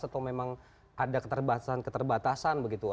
atau memang ada keterbatasan keterbatasan begitu